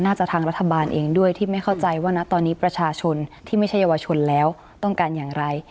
ทางรัฐบาลเองด้วยที่ไม่เข้าใจว่านะตอนนี้ประชาชนที่ไม่ใช่เยาวชนแล้วต้องการอย่างไร